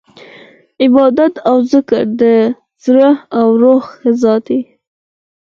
عبادت او ذکر د زړه او روح غذا ده.